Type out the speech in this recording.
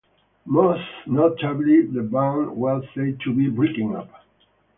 Most notably, the band was said to be breaking up.